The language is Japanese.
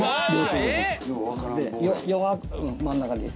真ん中に。